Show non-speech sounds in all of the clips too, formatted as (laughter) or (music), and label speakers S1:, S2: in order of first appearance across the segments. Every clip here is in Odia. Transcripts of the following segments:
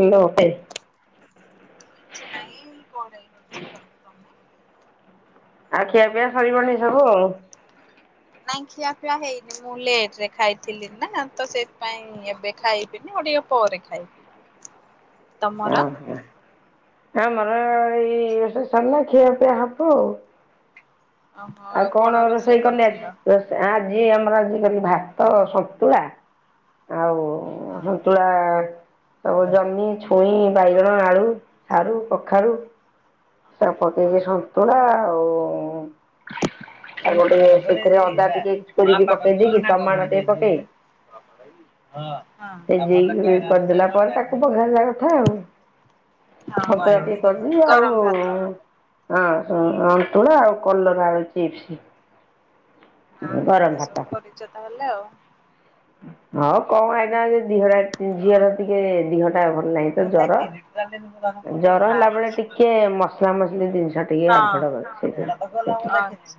S1: ହ୍ୟାଲୋ (unintelligible)
S2: କିଛି ନାଇଁ କଡ଼େଇ ଧୋଉଥିଲି ଆଉ ତମେ?
S1: ଆଉ ଖିଆ ପିଆ ସରିବଣି ସବୁ?
S2: ନାଇଁ ଖିଆପିଆ ହେଇନି ମୁଁ ଲେଟ ରେ ଖାଇଥିଲି ନା ତ ସେଥିପାଇଁ ଏବେ ଖାଇବିନି ଆଉ ଟିକିଏ ପରେ ଖାଇବି ତମର?
S1: ଓହୋ। ଆମର ଏଇ ଏବେ ସରିଲା ଖିଆ ପିଆ ହବ ଆଉ। ଆଉ କଣ ରୋଷେଇ କଲେ? ଆଜି ଆମର ଆଜି ଖାଲି ଭାତ ସନ୍ତୁଳା ଆଉ
S2: ହଁ
S1: ସନ୍ତୁଳା ସବୁ ଜହ୍ନି, ଛୁଇଁ, ବାଇଗଣ, ଆଳୁ, ସାରୁ, କଖାରୁ ସବୁ
S2: ହଁ
S1: ପକେଇକି ସନ୍ତୁଳା ଆଉ ତାକୁ ଟିକେ ସେଥିରେ ଅଦାଟିକେ ଇଉଜ୍ କରିକି ପକେଇଦେଇ କି ଟମାଟ ଟିକିଏ ପକେଇ
S2: ହଁ।
S1: ସେଜେଇକି କରିଦେଲା ପରେ ତାକୁ ପଘାରିବା କଥା ଆଉ। ସନ୍ତୁଳା ଟିକେ
S2: ହଁ
S1: କରିବି ଆଉ
S2: ଗରମ
S1: ହଁ
S2: ଭାତ।
S1: ହଁ ସନ୍ତୁଳା ଆଉ କଲରା ଆଳୁ ଚିପ୍ସ।
S2: ହଁ
S1: ଗରମ
S2: ଏତେ
S1: ଭାତ
S2: ସବୁ କରିଛ ତାହେଲେ ଆଉ।
S1: ହଉ କଣ ଖାଇଥାନ୍ତି ଦେହ ଟା ଟିକେ ଝିଅର ଟିକେ ଦିହ ଟା ଭଲ ନାହିଁ ତ
S2: ମୁଁ
S1: ଜର ଜର ହେଲା ବେଳେ ଟିକେ
S2: ଦେଖିନି।
S1: ଟିକେ ମସଲା ମସଲି ଜିନିଷ ଟିକେ
S2: ହଁ।
S1: ଆଭଡ କର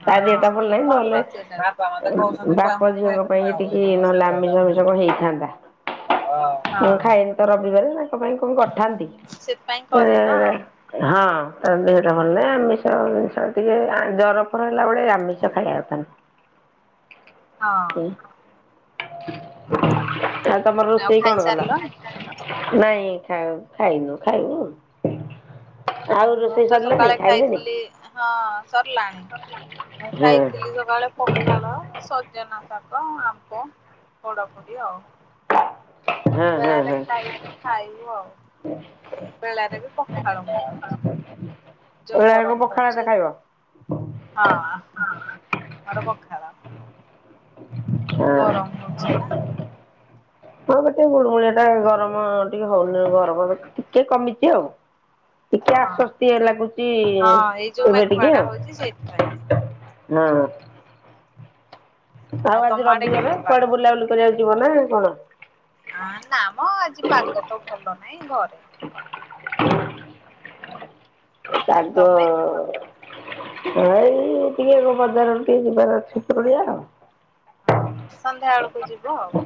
S1: ତା ଦିହଟା ଭଲ ନାହିଁ ନ ନହେଲେ ବାପ ଝିଅଙ୍କ ପାଇଁ ଟିକେ ନହେଲେ ଆମିଷ ଫାମିଷ ଟିକିଏ ହେଇଥାନ୍ତା। ମୁଁ
S2: ହଁ
S1: ଖାଏନି ତ ରବିବାରେ ତାଙ୍କ ପାଇଁ କଣ କରିଥାନ୍ତି।
S2: ସେଥିପାଇଁ କରିନ ଆଉ
S1: (unintelligible) ହଁ ତାଦେହଟା ଭଲ ନାହିଁ ଆମିଷ ଫାମିଷ ଟିକେ ଜରଫର ହେଲା ବେଳେ ଆମିଷ ଖାଇବାକୁ (unintelligible)
S2: ହଁ।
S1: ଆ ତମର
S2: ଆଉ
S1: ରୋଷେଇ କଣ କଲ?
S2: ଖାଇସାରିଲଣି?
S1: ନାଇଁ ଖାଇନୁ ଖାଇବୁ। ଆଉ
S2: ମୁଁ
S1: ରୋଷେଇ
S2: ତ
S1: ସରିଲାନି
S2: ସକାଳେ
S1: ଖାଇଲେନି?
S2: ଖାଇଥିଲି ହଁ ସରିଲାଣି ମୁଁ
S1: ହଁ
S2: ଖାଇଥିଲି। ସକାଳେ ପଖାଳ ସଜନା ଶାଗ, ଆମ୍ବ ପୋଡାପୋଡି ଆଉ।
S1: ହଁ ହଁ
S2: ବେଳାରେ
S1: ହଁ।
S2: ଖାଇନୁ ଖାଇବୁ ଆଉ ବେଳାରେ ବି ପଖାଳ ମୁ ଖାଉଚି।
S1: ବେଳାରେବି ପଖାଳଭାତ ଖାଇବ।
S2: ହଁ ମୋର ପଖାଳ।
S1: ହଁ
S2: ଗରମ ହଉଛି ନା।
S1: ହଁ ଗୋଟେ ଗୁଳିଗୁଳିଆ ଟା ଗରମ ଟିକେ ହଉନି ଗରମ ଟିକେ କମିଛି ଆଉ। ଟିକେ
S2: ହଁ।
S1: ଆଶ୍ଵସ୍ତି ଲାଗୁଚି
S2: ହଁ ଏଇ ଯୋଉ
S1: ଏବେ ଟିକେ
S2: ମେଘୁଆଡା ହଉଛି ସେଇଥିପାଇଁ
S1: ଆଉ। ହୁଁ ଆଉ
S2: ତମ
S1: ଆଜି
S2: ଆଡେ
S1: ରବିବର
S2: କେମିତି ପାଗ?
S1: କୁଆଡେ ବୁଲାବୁଲି କରିବାକୁ ଯିବ ନା କଣ?
S2: ଆ ନାମ ଆଜି ପାଗ ତ ଭଲ ନହିଁ ଘରେ
S1: ପାଗ
S2: ତମେ?
S1: ଏଇ ଟିକେ ବଜାରରୁ ଟିକେ ଯିବାର ଅଛି ପରୁଡିଆ ଆଉ।
S2: ଓହୋ ସନ୍ଧ୍ୟା ବେଳକୁ ଯିବୁ ଆଉ।
S1: ହଁ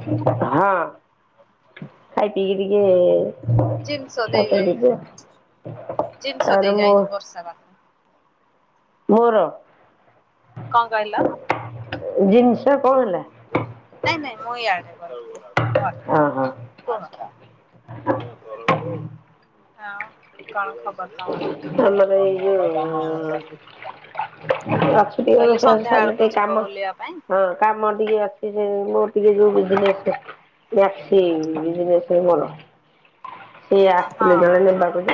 S1: ଖାଇ ପିଇକି ଟିକେ
S2: ଜିନିଷ
S1: ତାପରେ
S2: ଦେଇଯାଇଛି। ଜିନିଷ
S1: ଯିବ ଆର ମୁଁ
S2: (unintelligible)
S1: ଘୋର
S2: କଣ କହିଲ?
S1: ଜିନିଷ କଣ ହେଲା?
S2: ନାଇଁ ନାଇଁ ମୁଁ ଇଆଡେ
S1: ହଁ ହଁ।
S2: ହଁ କଣ ଖବର ତମର? କହିଲି ସନ୍ଧ୍ୟା ବେଳକୁ
S1: ଆମାନେଇ (unintelligible)
S2: ଯିବ
S1: କାମ
S2: ବୁଲିବା ପାଇଁ
S1: ହଁ କାମ ଟିକେ ଅଛି ସେ ମୋ ଟିକେ ଯୋଉ ବିଜିନେସ୍ (unintelligible) ସିଏ
S2: ହଁ
S1: ଆସିଥିଲେ ଜଣେ ନେବାକୁ ଯେ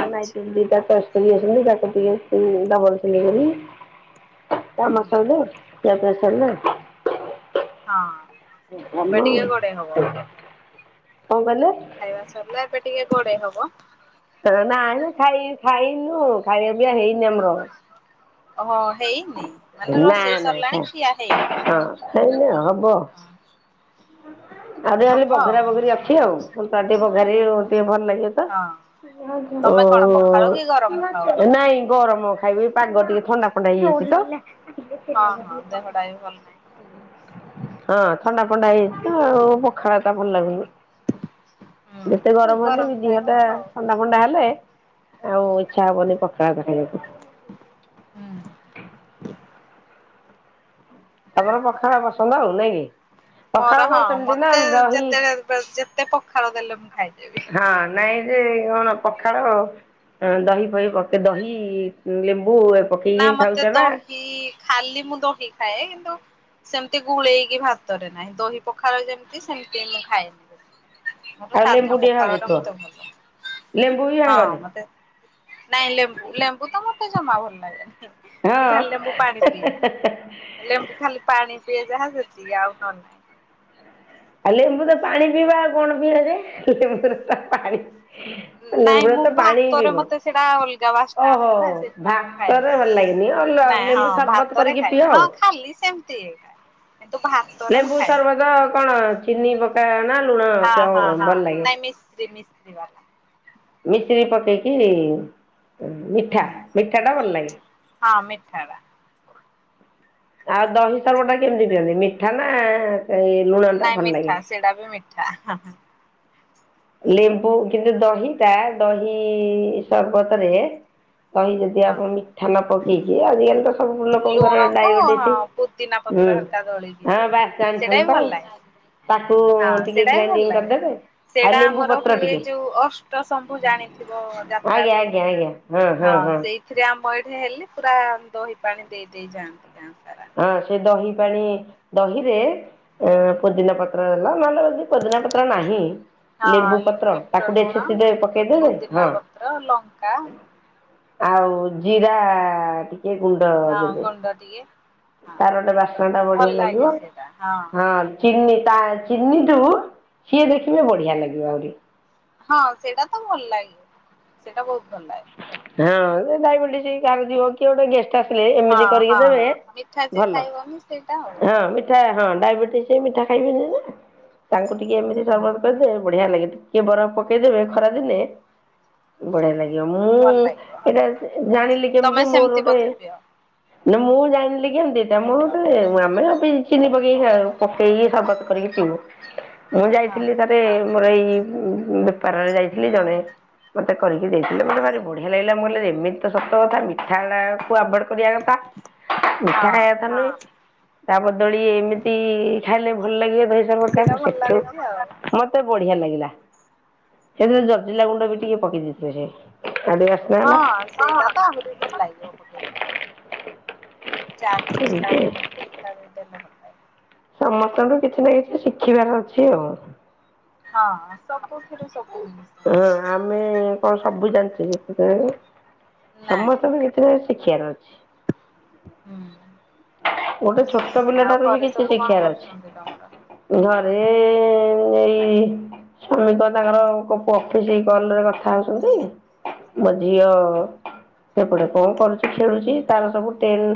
S2: ଆଚ୍ଛା।
S1: କାମ ସାରିଲା ଖିଆ
S2: ହଁ
S1: ପିଆ ସାରିଲା।
S2: ହଁ। ଏବେ
S1: କଣ
S2: ଟିକେ ଘୋଡେଇ ହବ।
S1: କହିଲେ?
S2: ଖାଇବା ସରିଲା ଏବେ ଟିକେ ଗୋଡେଇ ହବ।
S1: ଖେଳଣା ଆଣିଲୁ ଖାଇ ଖାଇନୁ ଖାଇବା ପିଆ ହେଇନି ଆମର।
S2: ହୋ ହେଇନି? ମାନେ
S1: ନା
S2: ରୋଷେଇ
S1: ନା
S2: ସରିଲାଣି
S1: ଖାଇ
S2: ଖିଆ
S1: ହଁ
S2: ହେଇନି।
S1: ଆ ଟ ଖାଲି
S2: ହବ ଆଉ
S1: ବଘରା ବଘରି ଅଛି ଆଉ ତ ଟିକେ ବଘାର ଟିକେ ଭଲ ଲାଗିବ ତ।
S2: ହଁ
S1: ଓ
S2: ତମେ କଣ ପଖାଳ କି ଗରମ ଖାଅ ବେଳାରେ?
S1: ନାଇ ଗରମ। ଖାଇବେ ପାଗ ଟିକେ ଥଣ୍ଡା ଫଣ୍ଡା ହେଇଯାଉଛି ତ।
S2: ହଁ ହଁ ଦେହ ଡ଼ା ବି ଭଲ ନାହିଁ।
S1: ହଁ ଥଣ୍ଡା ଫଣ୍ଡା ହେଇଚୁ ଆଉ ପଖାଳ ତ ଭଲ ଲାଗୁନି।
S2: ହୁଁ
S1: ଯେତେ ଗରମ ହେଲେ ବି ଦିହ ଟା
S2: ଖାଇଦବ ଆଉ।
S1: ଥଣ୍ଡା ଫଣ୍ଡା ହେଲେ ଆଉ ଇଚ୍ଛା ହବନି ପଖାଳ ଟା ଖାଇଆକୁ।
S2: ହୁଁ।
S1: ତମର ପଖାଳ ପସନ୍ଦ ଆଉ ନାଇଁ କି? ପଖାଳ
S2: ମୋର
S1: କଣ
S2: ହଁ
S1: ସେମିତି ନା
S2: ମତେ
S1: ଦହି
S2: ଯେତେଳେ ଯେତେ ପଖାଳ ଦେଲେ ମୁଁ ଖାଇଦେବି।
S1: ହଁ ନାଇଁ ଯେ କଣ ପଖାଳ ଦହି ଫହିକ ଦହି ଲେମ୍ବୁ
S2: ନା
S1: ପକେଇକି ଖାଉଛ
S2: ମତେ
S1: ନା?
S2: ଦହି ଖାଲି ମୁଁ ଦହି ଖାଏ କିନ୍ତୁ ସେମିତି ଗୁଳେଇକି ଭାତରେ ନାହିଁ ଦହି ପଖଳ ଯେମିତି ସେମିତି ମୁଁ ଖାଇନି। ମୋତେ
S1: ଆଉ ଲେମ୍ବୁ
S2: ସାଧା
S1: ଟିକେ
S2: ପୋଖାଳ ଟା
S1: ଭାଙ୍ଗୁଥିବ
S2: ମତେ ଭଲ
S1: ଲେମ୍ବୁ ବି
S2: ହଁ
S1: ଭାଙ୍ଗନି
S2: ମତେ। ନାଇଁ ଲେମ୍ବୁ ଲେମ୍ବୁ ତ ମତେ ଜମା ଭଲ ଲାଗେନାଇଁ
S1: ହଁ।
S2: ମୁଁ ଖାଲି ଲେମ୍ବୁ ପାଣି ପିଏ। ଲେମ୍ବୁ ଖାଲି ପାଣି ପିଏ ଯାହା ସେତିକି ଆଉ ନ ନହିଁ।
S1: ଆଉ ଲେମ୍ବୁ ତ ପାଣି ପିଇବା ଆଉ କଣ ପିଇବା ଯେ ଲେମ୍ବୁ ପାଣି।
S2: ନାଇଁ
S1: ଲେମ୍ବୁରେ
S2: ମୁଁ
S1: ତ ପାଣି ହିଁ
S2: ଭାତରେ
S1: ପିଇବ।
S2: ମତେ ସେଇଟା ଅଲଗା ବାସ୍ନା
S1: ଓହୋ
S2: ଆସେ ନା ସେଥିପାଇଁ ମୁଁ
S1: ଭାତରେ ଭଲ ଲାଗେନି
S2: ଖାଏ ନାଇଁ ହଁ
S1: ଲେମ୍ବୁ ସରବତ
S2: ଭାତରେ
S1: କରିକି ପିଅ
S2: ଖାଏନା ହଁ
S1: ଆଉ।
S2: ଖାଲି ସେମିତି ଖାଏ କିନ୍ତୁ ଭା
S1: ଲେମ୍ବୁ ସର୍ବତ କଣ ଚିନି ପକା ନା ଲୁଣ
S2: ହଁ ହଁ ହଁ
S1: ଭଲ ଲାଗେ
S2: ନାଇଁ ମିସ୍ତ୍ରୀ ମିସ୍ତ୍ରୀ। ଦି ଵାଲା।
S1: ମିଶ୍ରି ପକେଇକି
S2: ହୁଁ
S1: ମିଠା ମିଠା ଟା ଭଲ ଲାଗେ।
S2: ହଁ ମିଠା ବା।
S1: ଆଉ ଦହି ସର୍ବ ଟା କେମିତି ପିଣନ୍ତି ମିଠା ନା ଏଇ ଲୁଣଟା
S2: ନାଇଁ
S1: ଭଲ ଲାଗେ?
S2: ମିଠା ସେଇଟା ବି ମିଠା।
S1: ଲେମ୍ବୁ କିନ୍ତୁ ଦହିଟା ଦହି ସର୍ବତରେ ଦହି ଯଦି
S2: ହଁ।
S1: ଆପଣ ମିଠା ନ ପକେଇକି ଆଜିକାଲି ତ ସବୁ ଲୋକଙ୍କର
S2: ଲୁଣକୁ ହଁ
S1: ଡାଇବେଟିସ୍
S2: ପୁଦିନା ପତ୍ର
S1: ହୁଁ
S2: ହେରିକା ଦଳିକି
S1: ହଁ
S2: ଯୋଉ
S1: ବାସ୍
S2: ସେଇଟା
S1: ଜାଣିଛନ୍ତି
S2: ବି ଭଲ
S1: ତଉ।
S2: ଲାଗେ।
S1: ତାକୁ
S2: ହଁ
S1: ଟିକେ
S2: ସେଇଟା ବି ଭଲ
S1: ଗ୍ରାଇଣ୍ଡିଙ୍ଗ
S2: ଲାଗେ।
S1: କରିଦେବେ ଆଉ
S2: ସେଇଟା
S1: ଲେମ୍ବୁ
S2: ଆମର
S1: ପତ୍ର
S2: ହୁଏ
S1: ଟିକେ
S2: ଯୋଉ ଅଷ୍ଟ ଶମ୍ଭୁ ଜାଣିଥିବ ଯାତ୍ରା ହୁଏ ହଁ ସେଇ ଏଥିରେ ଆମ ଏଇଠି ହେଲି ପୁରା ଦହି ପାଣି ଦେଇ ଦେଇ ଯାଆନ୍ତି ଗାଁ ସାରା।
S1: ହଁ ସେ ଦହି ପାଣି ଦହିରେ ପୋଦିନା ପତ୍ର ହେଲା ନହେଲେ ପୁଦିନା ପତ୍ର ନାହିଁ।
S2: ହଁ
S1: ଲେମ୍ବୁ ପତ୍ର
S2: ବିଟ
S1: ତାକୁ ଟିକେ
S2: ଲୁଣ
S1: ଛେଚି ଦେବେ ପକେଇଦେବେ
S2: ପୋଦିନା
S1: ହଁ
S2: ପତ୍ର ଲଙ୍କା
S1: ଆଉ ଜିରା ଟିକେ ଗୁଣ୍ଡ ଦେବେ।
S2: ଡ଼ ଟିଏ।
S1: ତାର ଗୋଟେ ବାସ୍ନା ଟା ବଢିଆ ଲାଗିବ। ହଁ ଚିନି ତା ଚିନିଠୁ ସିଏ ଦେଖିବେ ବଢିଆ ଲାଗିବ ଆହୁରି।
S2: ହଁ ସେଇଟା ତ ଭଲ ଲାଗିବି ସେଇଟା ବହୁତ ଭଲ ଲାଗେ।
S1: ହଁ ସେ ଡାଇବେଟିସ କାହାର ଥିବ କିଏ ଗୋଟେ ଗେସ୍ ସେ ଆସିଲେ
S2: ହଁ
S1: ଏମିତି କରିକି
S2: ହଁ
S1: ଦେବେ
S2: ମିଠା ଯେ
S1: ଭଲ
S2: ଖାଇବନି ସେଇଟା ଆଉ।
S1: ହଁ। ଠା ହଁ ଡାଇବେଟିସ୍ ହେଇ ମିଠା ଖାଇବେନି ନା ତାଙ୍କୁ ଟିକେ ଏମିତି
S2: ହୁଁ
S1: ସରବତ ଦେବେ ବଢିଆ ଲାଗେ ଟିକେ ବରଫ ପକେଇଦେବେ ଖରା ଦିନେ ବଢିଆ ଲାଗେ। ଆଜ୍ଞା ମୁଁ
S2: ଭଲ ଲାଗିବ
S1: ଏଇଟା ଜାଣିଲି
S2: ତମେ
S1: କେମତି ମୋର
S2: ସେମିତି
S1: ଗୋଟେ
S2: ବୋଧେ ପିଅ
S1: ନା ମୁଁ ଜାଣିଲି କେମତି (unintelligible) ଆମେ ଚିନି ପକେଇକି ପକେଇକି ସର୍ବତ କରିକି ପିଉ। ମୁଁ
S2: ହଁ।
S1: ଯାଇଥିଲି ଥ ମତେ ମୋର ଏଇ ବେପାରରେ ଯାଇଥିଲି। ଜଣେ ମତେ କରିକି
S2: ହୁଁ
S1: ଦେଇଥିଲେ ମତେ ଭାରି ବଢିଆ ଲାଗିଲା ମୁଁ କଇଲି ଏମିତି ତ ସତ କଥା ମିଠାକୁ ଆଭଏଡ କରିବା କଥା। ମିଠା
S2: ହଁ
S1: ଖାଇବା କଥା ନୁହଁ, ତା ବଦଳେ ଏମିତି ଖାଇଲେ ଭଲ ଲାଗିବ ଧ ମୁଁ ତାକୁ
S2: ସେଇଟା ଭଲ
S1: ସେଠୁ
S2: ଲାଗୁଛି ଆଉ।
S1: ମତେ ବଢିଆ ଲାଗିଲା, ସେଥିରେ ଜଲଜିରା ଗୁଣ୍ଡ ବି ଟିକେ ପକେଇ ଦେଲି। (unintelligible)
S2: ହଁ ସେଇଟା ତ ଆହୁରି ଭଲ ଲାଗିବ ପକେଇଲେ। ଚା ମସଲା
S1: ଏମିତି
S2: ଟିକେ ସେଟା ବି ଦେଲେ ଭଲ ଲାଗିବ।
S1: ସମସ୍ତଙ୍କ ଠୁ କିଛି ନା କିଛି ଶିଖିବାର ଅଛି ଆଉ।
S2: ହଁ ସବୁଥିରୁ ସବୁ
S1: ହଁ ଆମେ କଣ ସବୁ ଜାଣିଛେକି
S2: ନାଇଁ
S1: ସମସ୍ତଙ୍କ ରେ ଶିଖିବାର ଅଛି।
S2: (unintelligible)
S1: ଗୋଟେ ଛୋଟ
S2: ଆଉ
S1: ପିଲାଠାରୁ ବି
S2: ଘରେ
S1: କିଛି
S2: ସବୁ କଣ
S1: ଶିଖିବାର
S2: କରୁଛନ୍ତି ତମର?
S1: ଅଛି। ଘରେ ଏଇ ସ୍ୱାମୀ ତ ତାଙ୍କର କଉ ଅଫିସ କଲରେ କଥା ହଉଛନ୍ତି। ମୋ ଝିଅ ସେପଟେ କଣ କରୁଛି? ଖେଳୁଛି ତାର ସବୁ ଟେନ୍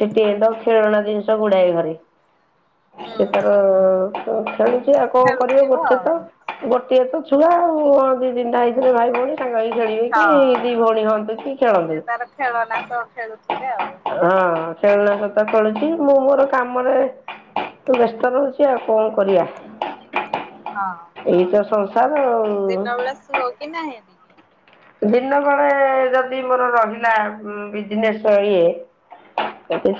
S1: ସେଠିଏ ତ ଖେଳଣା ଜିନିଷ ଗୁଡାଏ ଘରେ। ସେ
S2: ହୁଁ
S1: ତାର ଖେଳୁଛି ଆଉ କଣ କରିବ
S2: ଖେଳୁଥିବ
S1: ଗୋଟେ
S2: ଆଉ
S1: ତ। ଗୋଟିଏ ତ ଛୁଆ ଆଉ ଦି ତିନିଟା ହେଇଥିଲେ ଭାଇ ଭଉଣୀ। ସାଙ୍ଗହେଇକି ଖେଳି
S2: ହଁ।
S1: କି ଦି ଭଉଣୀ ହସନ୍ତି,
S2: ସିଏ ତାର ଖେଳନା ସହ
S1: ଖେଳନ୍ତି।
S2: ଖେଳୁଥିବେ ଆଉ
S1: ହଁ ଖେଳନା ସହିତ ଖେଳୁଛି ମୁଁ ମୋର କାମରେ ତ ବ୍ୟସ୍ତ ରହୁଛି ଆଉ କଣ କରିବା?
S2: ହଁ।
S1: ଏଇ ତ ସଂସାର ଆଉ।
S2: ଦିନ ବେଳେ ଶୁଅ କି ନାହିଁ? ଟିକେ
S1: ଦିନ ବଳେ ଯଦି ମୋର ରହିଲା ବିଜନେସ ଇଏ।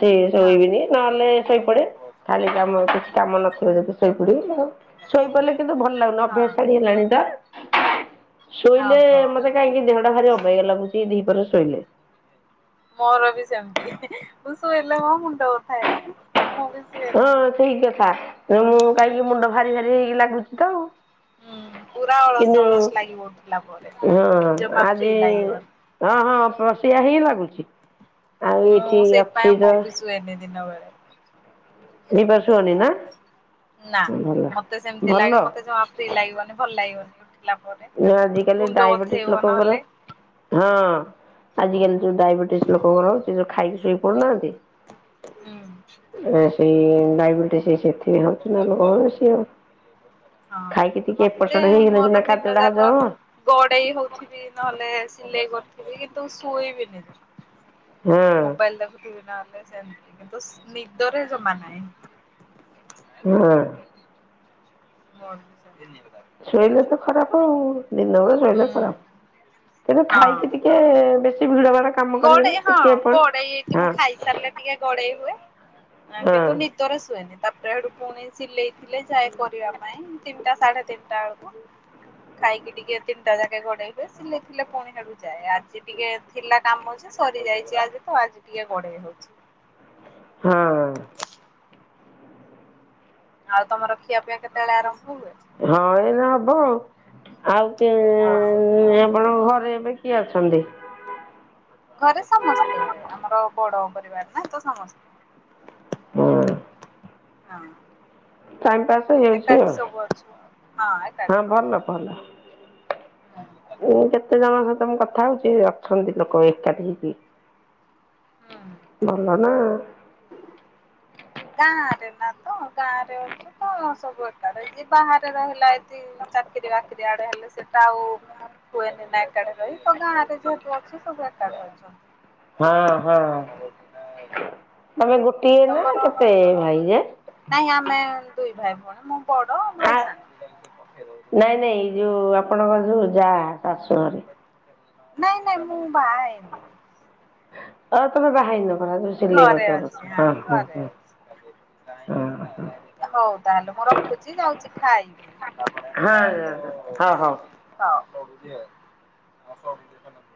S1: ସେ
S2: ହଁ।
S1: ଶୋଇବିନି ନହେଲେ ଶୋଇପଡେ। ଖାଲି କାମ କିଛି କାମ ନଥିବ ଯଦି ଶୋଇପଡିବି ଆଉ। ଶୋଇପଡିଲେ କିନ୍ତୁ ଭଲ ଲାଗୁନି
S2: ହଁ
S1: ଅଭ୍ୟାସଟା ହେଇଗଲାଣି ତ। ଶୋଇଲେ
S2: ଓହୋ
S1: ମତେ କାହିଁକି ଦେହଟା ଭାରି ଅବାଗ୍ୟା ଲାଗୁଛି ଦିପହରେ ଶୋଇଲେ।
S2: ମୋର ବି ସେମିତି ମୁଁ ଶୋଇଲେ ମୋ ମୁଣ୍ଡ ବଥାଏ ମୁଁ ବି ସୁଏ।
S1: ହଁ ସେଇ କଥା ତ ମୁଁ କାହିଁକି ମୁଣ୍ଡ ଭାରି ଭାରି ହେଇକି ଲାଗୁଛି ତ ଆଉ।
S2: ହୁଁ ପୁରା ଅଳସ
S1: କିନ୍ତୁ
S2: ଅଳସ ଲାଗିବ ଉଠିଲା ପରେ
S1: ହଁ
S2: ଜମା ଫ୍ରି
S1: ଆଜି।
S2: ଲାଗିବନି।
S1: ହଁ ହଁ ପସିଆ ହିଁ ଲାଗୁଛି ଆଉ ଏଇଠି ଅଛି ତ।
S2: ନେଦି ଦିନ ବେଳେ
S1: ହେଇପାରୁନି ନା
S2: ନା
S1: ଭଲ
S2: ମୋତେ ସେମିତି
S1: ଭଲ
S2: ଲାଗେ ମତେ ଯମା ଫ୍ରୀ ଲାଗିବନି ଭଲ ଲାଗିବନି। ଉଠିଲା ପରେ।
S1: ଆଜିକାଲି
S2: ମୁଣ୍ଡ
S1: ଡାଇବେଟିସ୍
S2: ବଥେଇବ
S1: ଲୋକଙ୍କର
S2: ନହେଲେ
S1: ହଁ। ଆଜିକାଲି ଯୋଉ ଡାଇବେଟିସ ଲୋକଙ୍କର ସେ ଯଉ ଖାଇକି ଶୋଇକ ପଡୁନାହାନ୍ତି?
S2: ହୁଁ।
S1: ସେଇ ଡାଇବେଟିସ ସେଇଥି ହଉଛି ନା ଲୋକଙ୍କୁ ବେଶୀ ଆଉ।
S2: ହଁ
S1: ଖାଇକି ଟିକେ ଏପଟ
S2: ମତେ
S1: ସେପଟ ହେଇଗଲେ
S2: ମୋର
S1: ସିନା ଖା
S2: ଦିନ ଯାକ ଗଡେଇ ହଉଥିବି ନହେଲେ ସିଲେଇ କରିଥିବି କିନ୍ତୁ ଶୋଇବିନି।
S1: ହଁ
S2: ମୋବାଇଲ ଦେଖୁଥିବି ନହଲେ ସେମୀତି କିନ୍ତୁ ନିଦରେ ଜମା ନାହିଁଁ।
S1: ହଁ।
S2: (unintelligible)
S1: ଶୋଇଲେ ତ ଖରାପ ଆଉ, ଦିନ ବେଳେ ଶୋଇଲେ ଖରାପ। କିନ୍ତୁ ଖାଇକି ଟି କେ ବେଶୀ ଭିଡ। (unintelligible)
S2: ଗଡେଇ ହଁ
S1: ଟିକେ ଏପଟ
S2: ଗଡେଇ ଏଇଠି ମୁଁ
S1: ହଁ
S2: ଖାଇସାରିଲେ ଟିକେ ଗଡେଇ ହୁଏ। କିନ୍ତୁ ନି
S1: ହଁ
S2: ଦରେ ଶୁଏନି। ତାପରେ ହେଠୁ ପୁଣିି ଏ ସିଲେଇଥିଲେ ଯାଏ କରିବା ପାଇଁ ତିନିଟା ସାଢେ ତିନିଟା ବେଳକୁ। ଖାଇକି ଟିକେ ତିନିଟା ଯାକେ ଗଡେଇ ହୁଏ। ସିଲେଇ ଥିଲେ ପୁଣି ହେଠୁ ଯାଏ। ଆଜି ଟିକେ ଥିଲା କାମ ଯେ ସରି ଯାଇଚି ଆଜି ତ ଆଜି ଟିକେ ଗଡେଇ ହଉଚି।
S1: ହଁ।
S2: ଆଉ ତମର ଖିଆ ପିଆ କେତେବେଳେ ଆରମ୍ଭ ହୁଏ?
S1: ହଁ ଏଇନେ ହବ ଆଉ। ଆଉ କି ଆପଣଙ୍କ
S2: ହଁ।
S1: ଘରେ ଏବେ କିଏ ଅଛନ୍ତି?
S2: ଘରେ ସମସ୍ତେ। ଆମର ବଡ ପରିବାର ନା, ତ ସମସ୍ତେ।
S1: ହଁ
S2: ହଁ।
S1: ଟାଇମ୍ ପାସ୍ ହେଇଯାଉଛି
S2: ଏକାଠି
S1: ଆଉ
S2: ସବୁ ଅଛୁ ଆଉ। ହଁ ଏକାଠି।
S1: ଭଲ ଭଲ। ମୁଁ କେତେ ଜଣଙ୍କ ସହିତ ମୁଁ କ କଥା ହଉଚି ଅଛନ୍ତି ଲୋକ ଏକାଠି ହେଇକି।
S2: ହୁଁ।
S1: ଭଲ ନା।
S2: ଗାଁ ରେ ନା ତ ଗାଁ ରେ ଅଛୁ ତ ସବୁ ଏକାଠି। ଯିଏ ବାହାରେ ରହିଲା ଏଠି ଚାକିରି ବାକିରି ଆଡେ ହେଲେ ସେଟା ଆଉ ହୁଏନି ନା ଏକାଠି ରହି, ତ ଗାଁ ରେ ଯେହେତୁ ଅଛି ସବୁ ଏକାଠିି
S1: ହଁ
S2: ଅଛନ୍ତି।
S1: ହଁ
S2: (unintelligible)
S1: ତମେ ଗୋଟିଏ ନା
S2: ତମର
S1: କେତେ ଭାଇ ଯେ?
S2: ନାଇଁ ଆମେ ଦୁଇ ଭାଇ ଭଉଣୀ। ମୁଁ ବଡ
S1: ଆ
S2: ଭାଇ ସାନ।
S1: ନାଇଁ ନାଇଁ ଯୋଉ ଆପଣଙ୍କର ଯୋଉ ଯା ଶାଶୁଘରେ।
S2: ନାଇଁ ନାଇଁ ମୁଁ ବାହା ହେଇନି।
S1: ଅ ହ ତମେ ବାହା ହେଇନ (unintelligible) ସିଲେଇ
S2: ଘରେ ଅଛି ହଁ ଘରେ
S1: କରୁଚ
S2: ଅଛି। ହଉ ତାହେଲେ ମୁଁ ରଖୁଚି ଯାଉଚି ଖାଇବି।
S1: ହଁ ଯାଆନ୍ତୁ। ହ ହଉ।
S2: ହଉ।